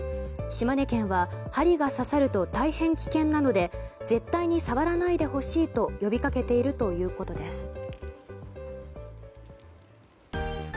島根県は針が刺さると大変危険なので絶対に触らないでほしいと呼びかけているということです。